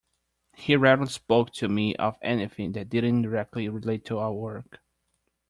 He rarely spoke to me of anything that didn't directly relate to our work.